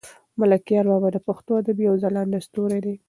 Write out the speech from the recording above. ملکیار بابا د پښتو ادب یو ځلاند ستوری دی.